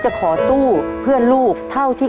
จะทำเวลาไหมครับเนี่ย